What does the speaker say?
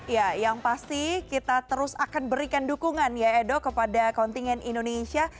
ya yang pasti kita terus akan berikan dukungan ya edo kepada kontingen indonesia